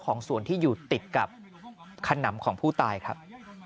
ของสวนที่อยู่ติดกับขนำของผู้ตายครับ